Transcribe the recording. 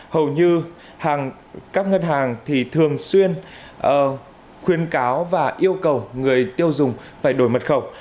hầu như các ngân hàng thường xuyên khuyến cáo và yêu cầu người tiêu dùng phải đổi mật khẩu